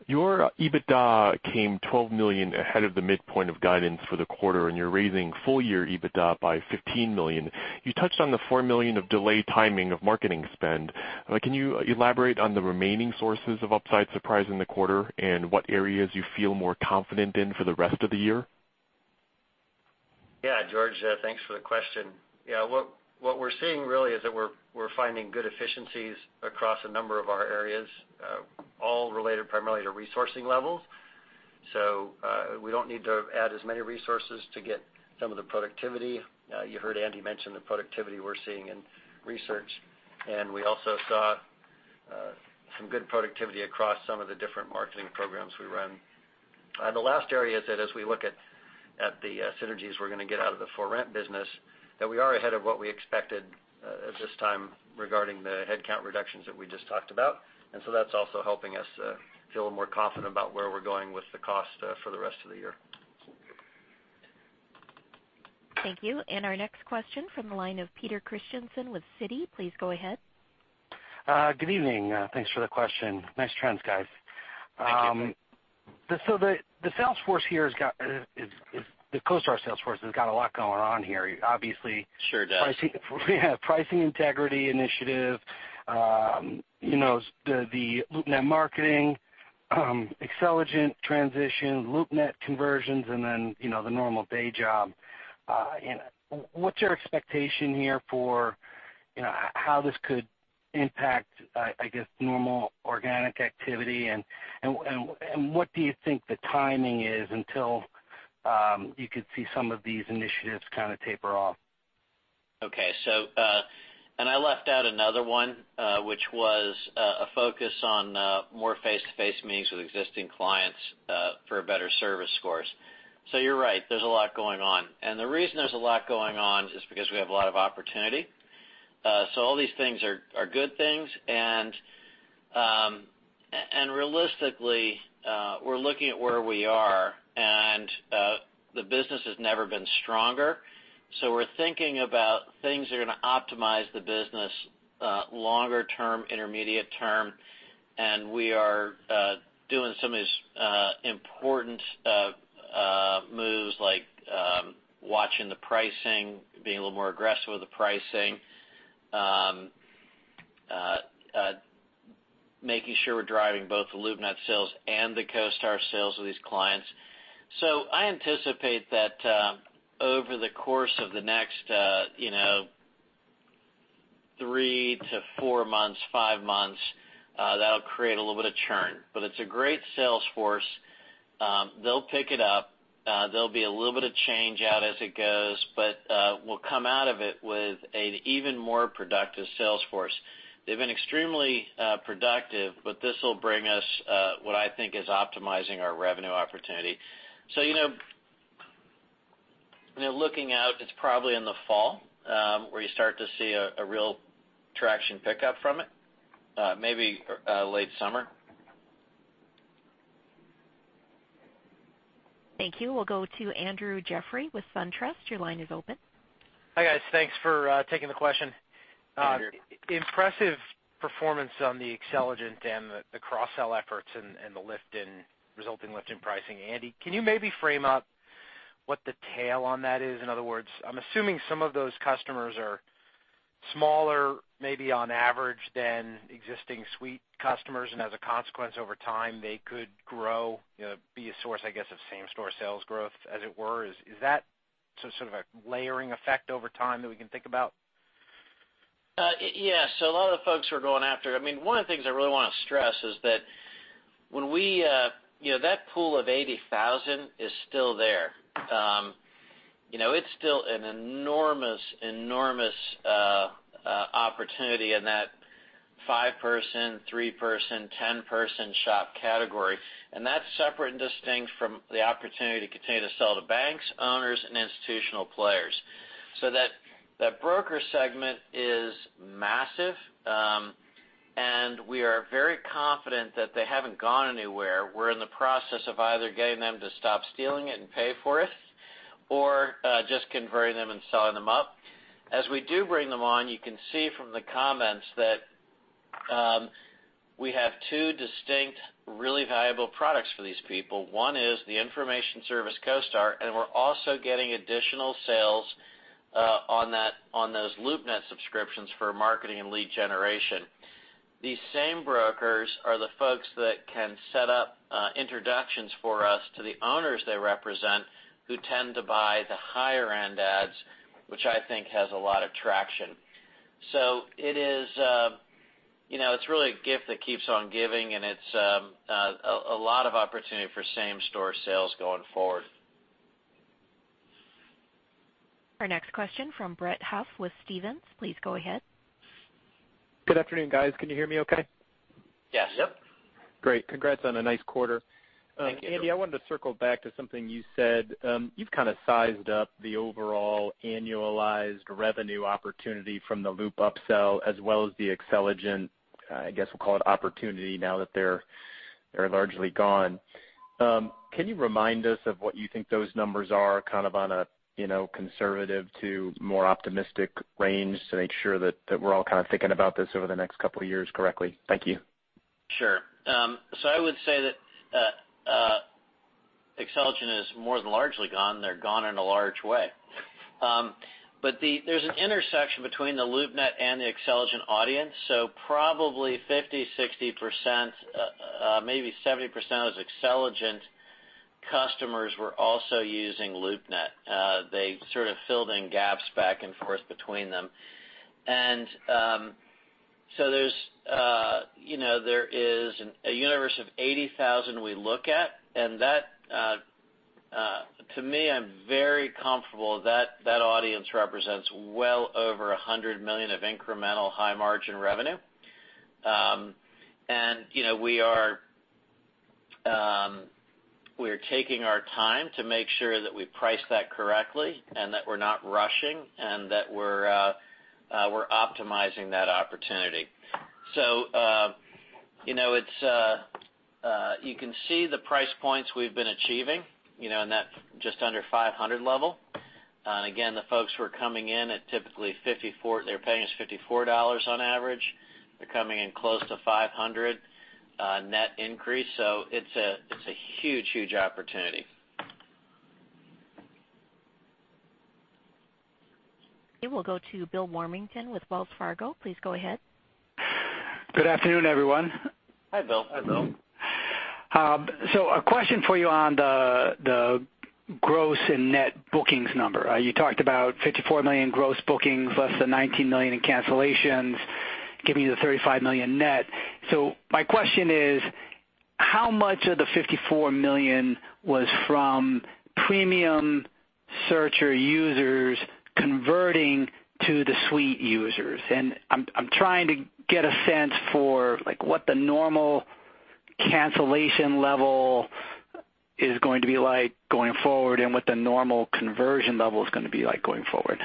Your EBITDA came $12 million ahead of the midpoint of guidance for the quarter, and you're raising full year EBITDA by $15 million. You touched on the $4 million of delayed timing of marketing spend. Can you elaborate on the remaining sources of upside surprise in the quarter, and what areas you feel more confident in for the rest of the year? Yeah, George. Thanks for the question. Yeah, what we're seeing really is that we're finding good efficiencies across a number of our areas, all related primarily to resourcing levels. We don't need to add as many resources to get some of the productivity. You heard Andy mention the productivity we're seeing in research, and we also saw some good productivity across some of the different marketing programs we run. The last area is that as we look at the synergies we're going to get out of the ForRent.com business, that we are ahead of what we expected at this time regarding the headcount reductions that we just talked about. That's also helping us feel more confident about where we're going with the cost for the rest of the year. Thank you. Our next question from the line of Peter Christiansen with Citi. Please go ahead. Good evening. Thanks for the question. Nice trends, guys. Thank you. The CoStar sales force has got a lot going on here, obviously. Sure does. Pricing integrity initiative, the LoopNet marketing, Xceligent transition, LoopNet conversions, and then the normal day job. What's your expectation here for how this could impact, I guess, normal organic activity, and what do you think the timing is until you could see some of these initiatives kind of taper off? Okay. I left out another one Which was a focus on more face-to-face meetings with existing clients for better service scores. You're right, there's a lot going on. The reason there's a lot going on is because we have a lot of opportunity. All these things are good things. Realistically, we're looking at where we are, and the business has never been stronger. We're thinking about things that are going to optimize the business longer term, intermediate term. We are doing some of these important moves like watching the pricing, being a little more aggressive with the pricing, making sure we're driving both the LoopNet sales and the CoStar sales with these clients. I anticipate that over the course of the next three to four months, five months, that'll create a little bit of churn. It's a great sales force. They'll pick it up. There'll be a little bit of change out as it goes. We'll come out of it with an even more productive sales force. They've been extremely productive. This will bring us what I think is optimizing our revenue opportunity. Looking out, it's probably in the fall, where you start to see a real traction pickup from it. Maybe late summer. Thank you. We'll go to Andrew Jeffrey with SunTrust. Your line is open. Hi, guys. Thanks for taking the question. Andrew. Impressive performance on the Xceligent and the cross-sell efforts and the resulting lift in pricing. Andy, can you maybe frame up what the tail on that is? In other words, I'm assuming some of those customers are smaller, maybe on average, than existing suite customers, and as a consequence, over time, they could grow, be a source, I guess, of same-store sales growth, as it were. Is that some sort of a layering effect over time that we can think about? Yeah. A lot of the folks we're going after One of the things I really want to stress is that pool of 80,000 is still there. It's still an enormous opportunity in that five-person, three-person, 10-person shop category. That's separate and distinct from the opportunity to continue to sell to banks, owners, and institutional players. That broker segment is massive, and we are very confident that they haven't gone anywhere. We're in the process of either getting them to stop stealing it and pay for it, or just converting them and signing them up. As we do bring them on, you can see from the comments that we have two distinct, really valuable products for these people. One is the information service, CoStar, and we're also getting additional sales on those LoopNet subscriptions for marketing and lead generation. These same brokers are the folks that can set up introductions for us to the owners they represent who tend to buy the higher-end ads, which I think has a lot of traction. It's really a gift that keeps on giving, and it's a lot of opportunity for same-store sales going forward. Our next question from Brett Huff with Stephens. Please go ahead. Good afternoon, guys. Can you hear me okay? Yes. Yep. Great. Congrats on a nice quarter. Thank you. Andy, I wanted to circle back to something you said. You've kind of sized up the overall annualized revenue opportunity from the LoopNet upsell as well as the Xceligent, I guess we'll call it opportunity now that they're largely gone. Can you remind us of what you think those numbers are on a conservative to more optimistic range to make sure that we're all kind of thinking about this over the next couple of years correctly? Thank you. I would say that Xceligent is more than largely gone. They're gone in a large way. There's an intersection between the LoopNet and the Xceligent audience. Probably 50%, 60%, maybe 70% of those Xceligent customers were also using LoopNet. They sort of filled in gaps back and forth between them. There is a universe of 80,000 we look at, and that to me, I'm very comfortable that that audience represents well over $100 million of incremental high-margin revenue. We are taking our time to make sure that we price that correctly and that we're not rushing and that we're optimizing that opportunity. You can see the price points we've been achieving, in that just under $500 level. Again, the folks who are coming in at typically they're paying us $54 on average. They're coming in close to $500 net increase. It's a huge opportunity. Okay, we'll go to Bill Warmington with Wells Fargo. Please go ahead. Good afternoon, everyone. Hi, Bill. Hi, Bill. A question for you on the gross and net bookings number. You talked about $54 million gross bookings, less than $19 million in cancellations, giving you the $35 million net. My question is How much of the $54 million was from premium searcher users converting to the suite users? I'm trying to get a sense for what the normal cancellation level is going to be like going forward and what the normal conversion level is going to be like going forward.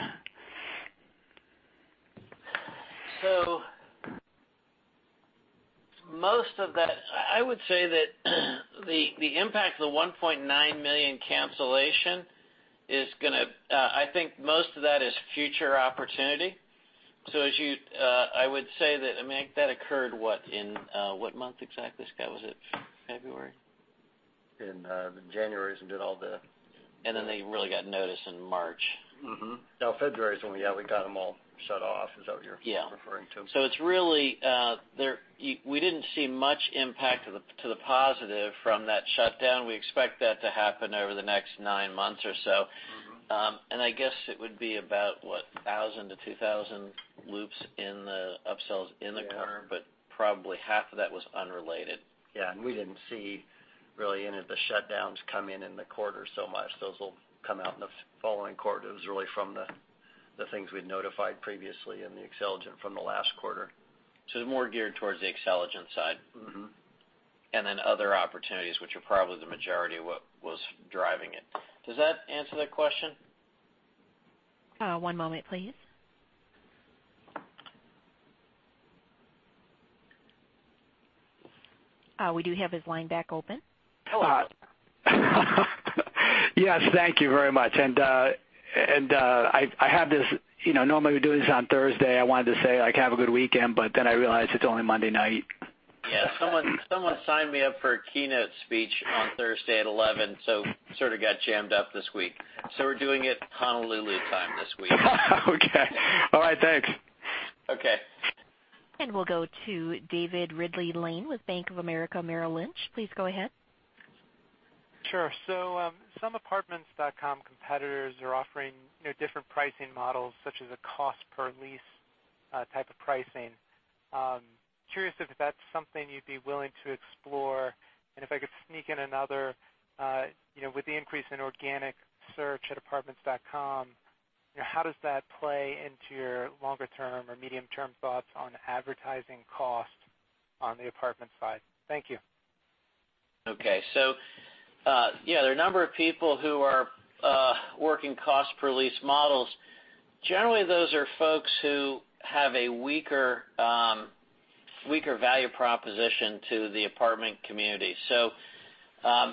Most of that, I would say that the impact of the $19 million cancellation, I think most of that is future opportunity. I would say that occurred, what, in what month exactly, Scott? Was it February? In January, we did all the They really got notice in March. No, February is when we got them all shut off. Is that what you're Yeah referring to? We didn't see much impact to the positive from that shutdown. We expect that to happen over the next nine months or so. I guess it would be about what? 1,000 to 2,000 loops in the upsells in the quarter, probably half of that was unrelated. Yeah. We didn't see really any of the shutdowns come in in the quarter so much. Those will come out in the following quarter. It was really from the things we'd notified previously in the Xceligent from the last quarter. It's more geared towards the Xceligent side. Other opportunities, which are probably the majority of what was driving it. Does that answer the question? One moment, please. We do have his line back open. Hello. Yes, thank you very much. Normally, we do this on Thursday. I wanted to say, have a good weekend, but then I realized it's only Monday night. Yeah. Someone signed me up for a keynote speech on Thursday at 11:00, sort of got jammed up this week. We're doing it Honolulu time this week. Okay. All right, thanks. Okay. We'll go to David Ridley-Lane with Bank of America Merrill Lynch. Please go ahead. Sure. Some apartments.com competitors are offering different pricing models, such as a cost per lease type of pricing. I'm curious if that's something you'd be willing to explore. If I could sneak in another, with the increase in organic search at apartments.com, how does that play into your longer-term or medium-term thoughts on advertising cost on the apartment side? Thank you. There are a number of people who are working cost per lease models. Generally, those are folks who have a weaker value proposition to the apartment community.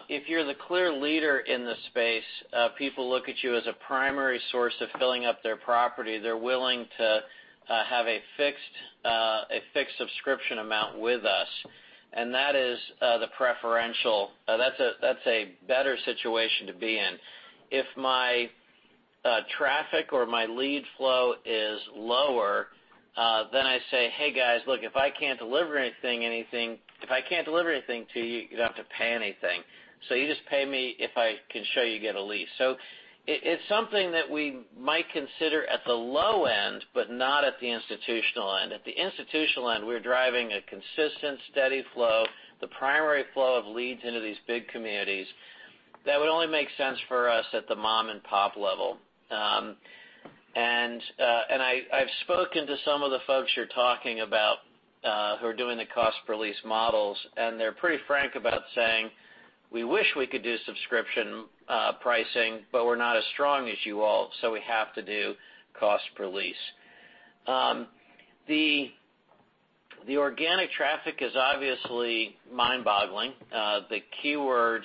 If you're the clear leader in the space, people look at you as a primary source of filling up their property. They're willing to have a fixed subscription amount with us, and that's a better situation to be in. If my traffic or my lead flow is lower, I say, "Hey, guys, look, if I can't deliver anything to you don't have to pay anything. You just pay me if I can show you get a lease." It's something that we might consider at the low end, but not at the institutional end. At the institutional end, we're driving a consistent, steady flow, the primary flow of leads into these big communities. That would only make sense for us at the mom-and-pop level. I've spoken to some of the folks you're talking about, who are doing the cost per lease models, and they're pretty frank about saying, "We wish we could do subscription pricing, but we're not as strong as you all, so we have to do cost per lease." The organic traffic is obviously mind-boggling. The organic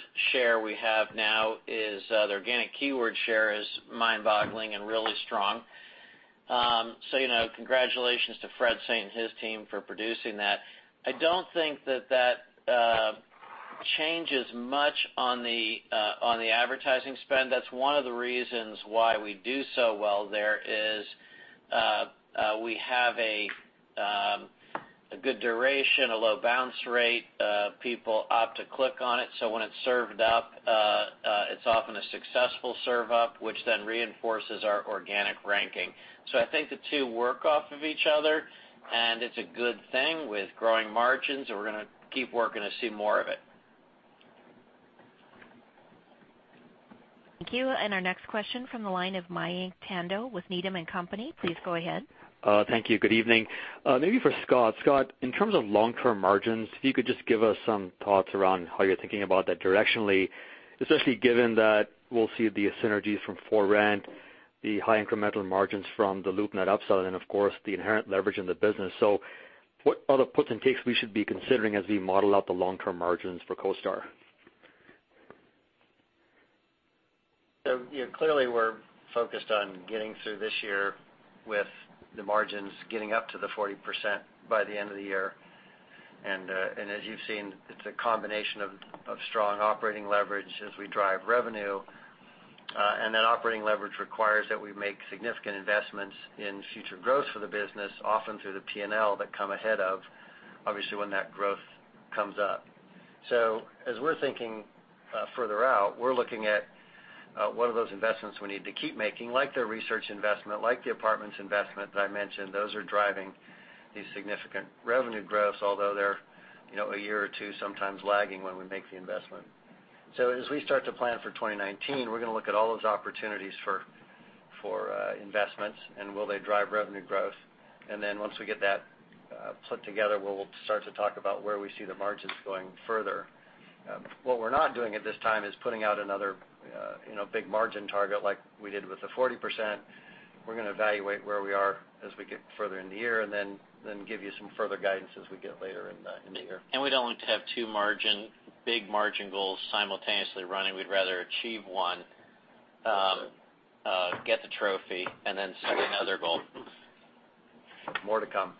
keyword share is mind-boggling and really strong. Congratulations to Fred Saint and his team for producing that. I don't think that that changes much on the advertising spend. That's one of the reasons why we do so well there is we have a good duration, a low bounce rate. People opt to click on it, so when it's served up, it's often a successful serve up, which then reinforces our organic ranking. I think the two work off of each other, and it's a good thing with growing margins, and we're going to keep working to see more of it. Thank you. Our next question from the line of Mayank Tandon with Needham & Company. Please go ahead. Thank you. Good evening. Maybe for Scott. Scott, in terms of long-term margins, if you could just give us some thoughts around how you're thinking about that directionally, especially given that we'll see the synergies from ForRent.com, the high incremental margins from the LoopNet upsell, and of course, the inherent leverage in the business. What are the puts and takes we should be considering as we model out the long-term margins for CoStar? Clearly, we're focused on getting through this year with the margins getting up to the 40% by the end of the year. As you've seen, it's a combination of strong operating leverage as we drive revenue. That operating leverage requires that we make significant investments in future growth for the business, often through the P&L that come ahead of, obviously, when that growth comes up. As we're thinking further out, we're looking at What are those investments we need to keep making, like the research investment, like the apartments investment that I mentioned? Those are driving these significant revenue growths, although they're a year or two sometimes lagging when we make the investment. As we start to plan for 2019, we're going to look at all those opportunities for investments, and will they drive revenue growth. Then once we get that put together, we'll start to talk about where we see the margins going further. What we're not doing at this time is putting out another big margin target like we did with the 40%. We're going to evaluate where we are as we get further in the year, and then give you some further guidance as we get later in the year. We don't want to have two big margin goals simultaneously running. We'd rather achieve one- That's right. Get the trophy, then set another goal. More to come.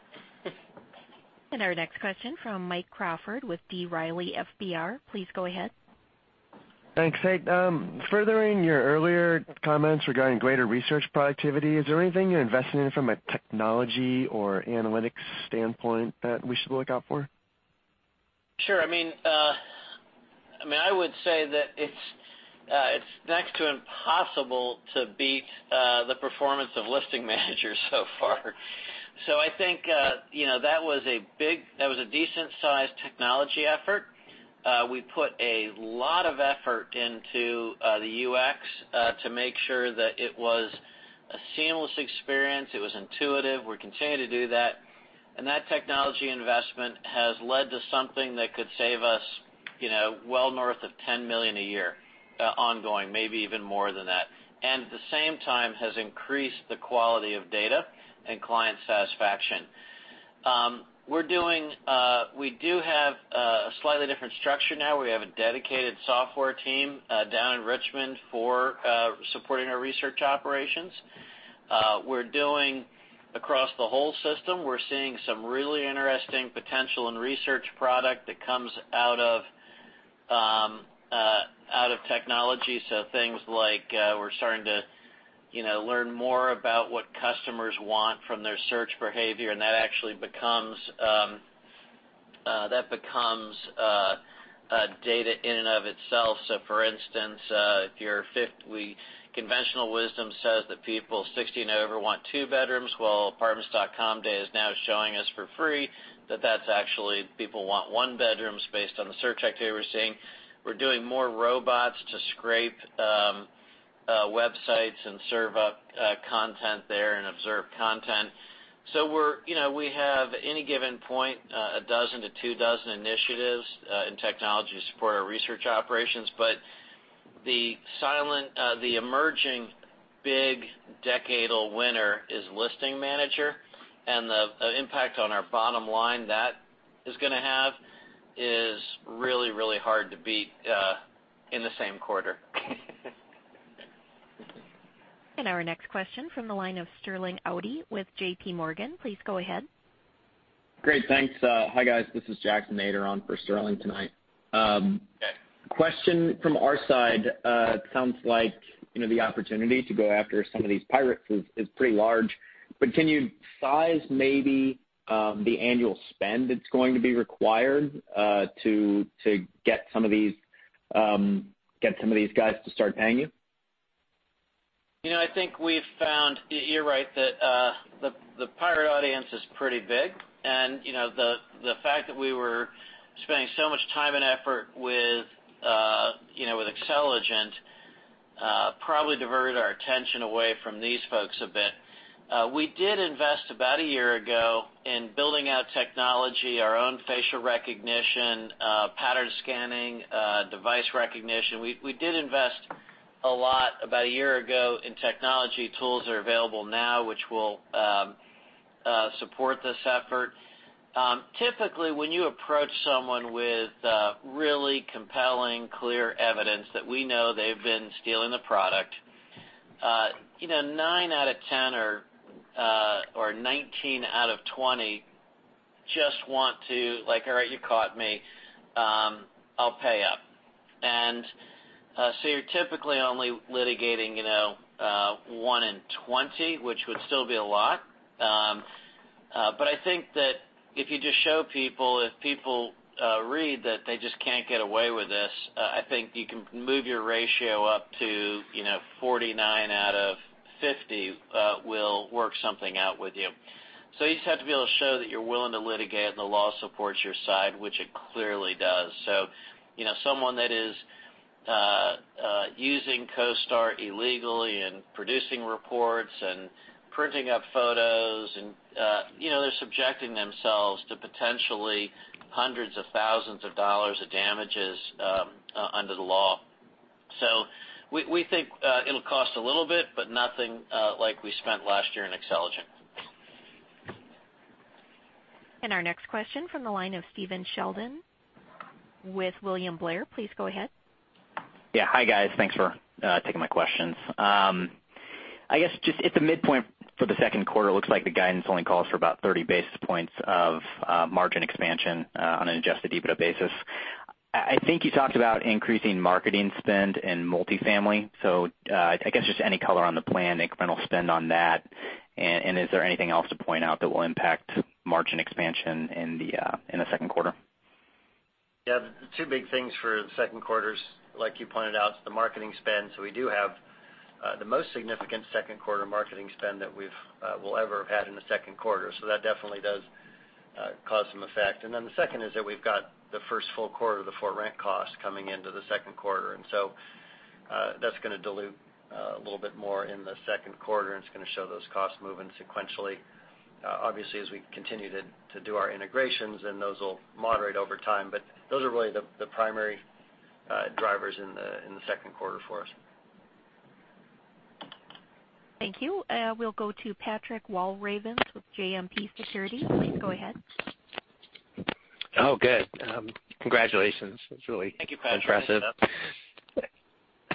Our next question from Mike Crawford with B. Riley FBR. Please go ahead. Thanks. Hey, furthering your earlier comments regarding greater research productivity, is there anything you're investing in from a technology or analytics standpoint that we should look out for? Sure. I would say that it's next to impossible to beat the performance of Listing Manager so far. I think, that was a decent-sized technology effort. We put a lot of effort into the UX to make sure that it was a seamless experience, it was intuitive. We're continuing to do that. That technology investment has led to something that could save us well north of $10 million a year ongoing, maybe even more than that. At the same time, has increased the quality of data and client satisfaction. We do have a slightly different structure now. We have a dedicated software team down in Richmond for supporting our research operations. Across the whole system, we're seeing some really interesting potential in research product that comes out of technology. Things like we're starting to learn more about what customers want from their search behavior, that becomes data in and of itself. For instance, conventional wisdom says that people 60 and over want two bedrooms, while apartments.com data is now showing us for free that that's actually people want one bedrooms based on the search activity we're seeing. We're doing more robots to scrape websites and serve up content there and observe content. We have, any given point, a dozen to two dozen initiatives in technology to support our research operations. The emerging big decadal winner is Listing Manager, the impact on our bottom line that is going to have is really, really hard to beat in the same quarter. Our next question from the line of Sterling Auty with JPMorgan. Please go ahead. Great. Thanks. Hi, guys. This is Jackson Ader on for Sterling tonight. Question from our side. It sounds like the opportunity to go after some of these pirates is pretty large. Can you size maybe the annual spend that's going to be required to get some of these guys to start paying you? I think we've found, you're right, that the pirate audience is pretty big, the fact that we were spending so much time and effort with Xceligent probably diverted our attention away from these folks a bit. We did invest about a year ago in building out technology, our own facial recognition, pattern scanning, device recognition. We did invest a lot about a year ago in technology tools that are available now, which will support this effort. Typically, when you approach someone with really compelling, clear evidence that we know they've been stealing the product, 9 out of 10 or 19 out of 20 just want to like, "All right, you caught me. I'll pay up." You're typically only litigating 1 in 20, which would still be a lot. I think that if you just show people, if people read that they just can't get away with this, I think you can move your ratio up to 49 out of 50 will work something out with you. You just have to be able to show that you're willing to litigate and the law supports your side, which it clearly does. Someone that is using CoStar illegally and producing reports and printing up photos, they're subjecting themselves to potentially hundreds of thousands of dollars of damages under the law. We think it'll cost a little bit, but nothing like we spent last year in Xceligent. Our next question from the line of Stephen Sheldon with William Blair. Please go ahead. Yeah. Hi, guys. Thanks for taking my questions. I guess just at the midpoint for the second quarter, it looks like the guidance only calls for about 30 basis points of margin expansion on an adjusted EBITDA basis. I think you talked about increasing marketing spend in multifamily. I guess just any color on the planned incremental spend on that, and is there anything else to point out that will impact margin expansion in the second quarter? Yeah. The two big things for the second quarter, like you pointed out, the marketing spend. We do have the most significant second quarter marketing spend that we'll ever have had in the second quarter. That definitely does cause some effect. The second is that we've got the first full quarter of the ForRent.com costs coming into the second quarter. That's going to dilute a little bit more in the second quarter, and it's going to show those costs moving sequentially. Obviously, as we continue to do our integrations, then those will moderate over time. Those are really the primary drivers in the second quarter for us. Thank you. We'll go to Patrick Walravens with JMP Securities. Please go ahead. Oh, good. Congratulations. It's really- Thank you, Patrick Impressive.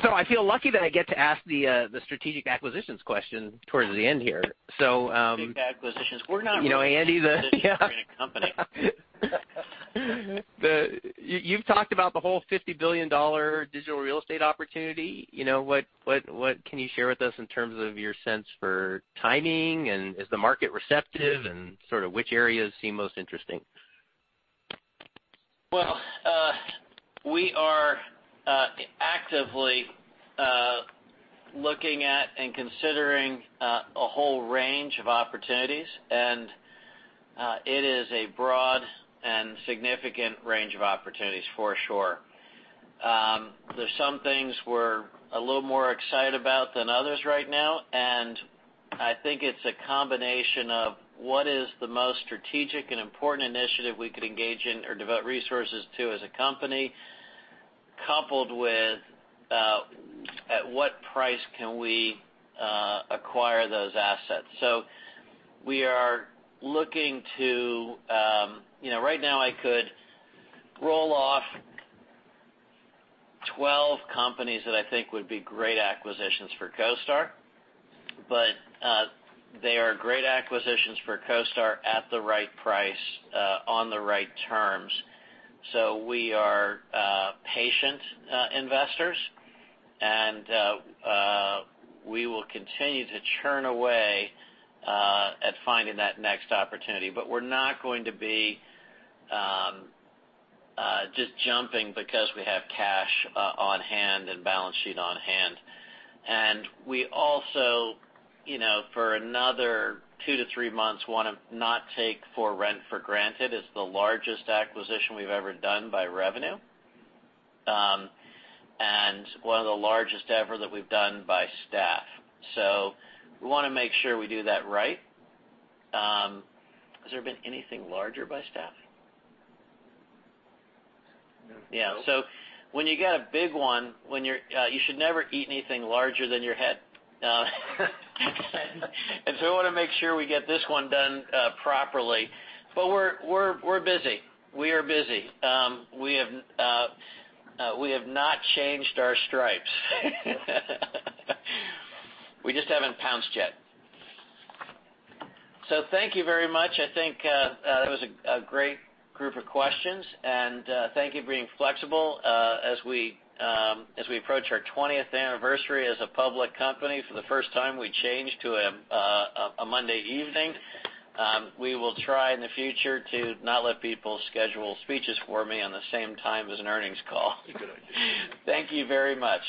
I feel lucky that I get to ask the strategic acquisitions question towards the end here. Big acquisitions. Andy, yeah. a acquisition company. You've talked about the whole $50 billion digital real estate opportunity. What can you share with us in terms of your sense for timing, is the market receptive, and which areas seem most interesting? Well, we are actively looking at and considering a whole range of opportunities, it is a broad and significant range of opportunities, for sure. There's some things we're a little more excited about than others right now, I think it's a combination of what is the most strategic and important initiative we could engage in or devote resources to as a company, coupled with at what price can we acquire those assets. Right now, I could roll off 12 companies that I think would be great acquisitions for CoStar, they are great acquisitions for CoStar at the right price, on the right terms. We are patient investors, we will continue to churn away at finding that next opportunity. We're not going to be just jumping because we have cash on-hand and balance sheet on-hand. We also, for another two to three months, want to not take ForRent.com for granted. It's the largest acquisition we've ever done by revenue, one of the largest ever that we've done by staff. We want to make sure we do that right. Has there been anything larger by staff? No. When you got a big one, you should never eat anything larger than your head. We want to make sure we get this one done properly. We're busy. We are busy. We have not changed our stripes. We just haven't pounced yet. Thank you very much. I think that was a great group of questions, and thank you for being flexible. As we approach our 20th anniversary as a public company, for the first time, we changed to a Monday evening. We will try in the future to not let people schedule speeches for me on the same time as an earnings call. That's a good idea. Thank you very much.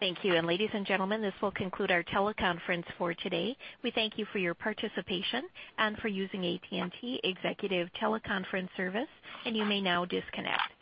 Thank you. Ladies and gentlemen, this will conclude our teleconference for today. We thank you for your participation and for using AT&T Executive Teleconference Service, and you may now disconnect.